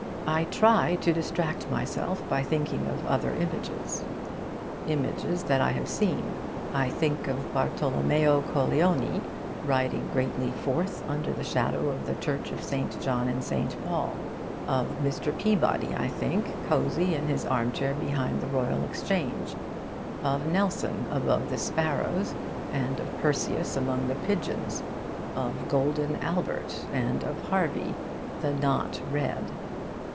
I try to distract myself by thinking of other images images that I have seen. I think of Bartolommeo Colleoni riding greatly forth under the shadow of the church of Saint John and Saint Paul. Of Mr. Peabody I think, cosy in his armchair behind the Royal Exchange; of Nelson above the sparrows, and of Perseus among the pigeons; of golden Albert, and of Harvey the not red.